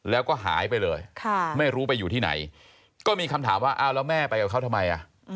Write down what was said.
แล้วก็หายไปเลยไม่รู้ไปอยู่ที่ไหนก็มีคำถามว่าอ้าวแล้วแม่ไปกับเขาทำไมอ่ะ